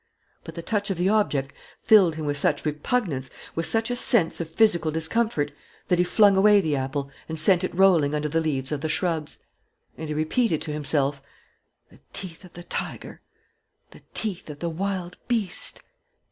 But the touch of the object filled him with such repugnance, with such a sense of physical discomfort, that he flung away the apple and sent it rolling under the leaves of the shrubs. And he repeated to himself: "The teeth of the tiger! The teeth of the wild beast!"